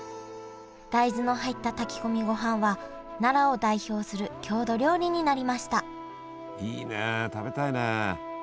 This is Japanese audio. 大豆の入った炊き込みごはんは奈良を代表する郷土料理になりましたいいねえ食べたいね。